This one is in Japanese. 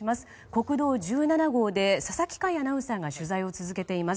国道１７号で佐々木快アナウンサーが取材を続けています。